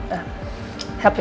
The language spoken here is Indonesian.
bantu diri sendiri ya